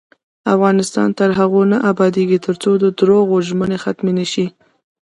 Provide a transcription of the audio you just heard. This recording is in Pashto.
افغانستان تر هغو نه ابادیږي، ترڅو د درواغو ژمنې ختمې نشي.